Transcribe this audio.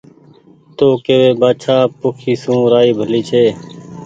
تو ڪيوي بآڇآ پوکي سون رآئي ڀلي ڇي